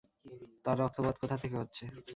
তার রক্তপাত কোথা থেকে হচ্ছে?